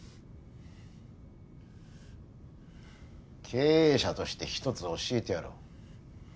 経営者として一つ教えてやろう。